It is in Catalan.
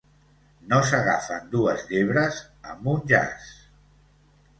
No s'agafen dues llebres amb un jaç.